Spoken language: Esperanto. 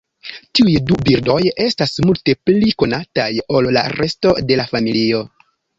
Tiuj du birdoj estas multe pli konataj ol la resto de la familio.